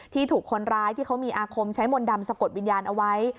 ถูกคนร้ายที่เขามีอาคมใช้มนต์ดำสะกดวิญญาณเอาไว้